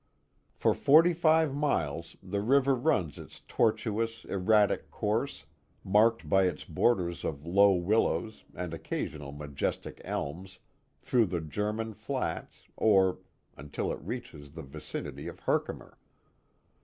For forty five miles the river runs its tortuous, erratic course, miirked by its borders of low willows and occasional majestic elms, through the German Flats, or. until it reaches the vicinity of Herkimer.